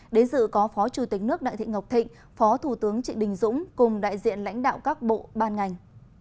đến dự có phó chủ tịch nước đại thị ngọc thịnh phó thủ tướng trị đình dũng cùng đại diện lãnh đạo các bộ ban ngành